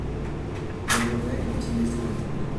J’aimerais utiliser l’Internet.